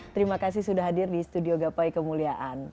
terima kasih sudah hadir di studio gapai kemuliaan